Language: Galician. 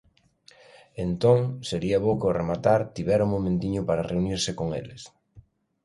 Entón, sería bo que ao rematar tivera un momentiño para reunirse con eles.